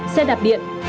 xe đạp điện